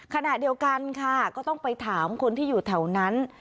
ขณะเดียวกันค่ะก็ต้องไปถามคนที่อยู่แถวนั้น